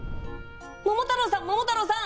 桃太郎さん、桃太郎さん